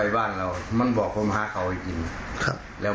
อยู่ในปากมันหอมมากเลย